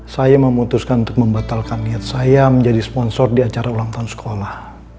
saya memutuskan untuk membatalkan niat saya menjadi sponsor di acara ulang tahun sekolah